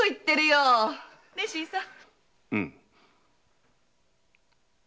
うん。